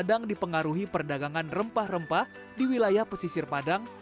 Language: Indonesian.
kadang dipengaruhi perdagangan rempah rempah di wilayah pesisir padang